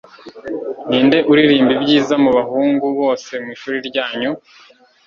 Ninde uririmba ibyiza mubahungu bose mwishuri ryanyu?